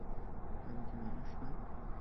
আমি কি মানুষ না।